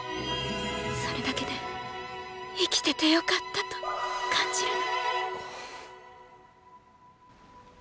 それだけで生きててよかったと感じるの。